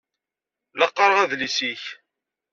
La qqaṛeɣ adlis-ik.